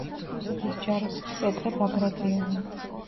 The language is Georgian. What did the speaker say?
რუსეთის ჯარებს კი პეტრე ბაგრატიონი.